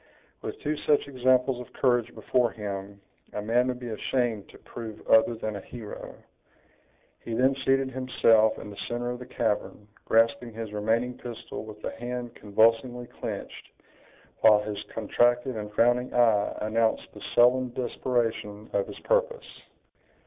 "With two such examples of courage before him, a man would be ashamed to prove other than a hero." He then seated himself in the center of the cavern, grasping his remaining pistol with a hand convulsively clenched, while his contracted and frowning eye announced the sullen desperation of his purpose.